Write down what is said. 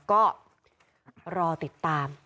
ก็รอติดตาม